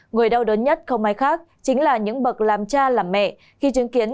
người đau đớn nhất không ai khác chính là những bậc làm cha làm mẹ khi chứng kiến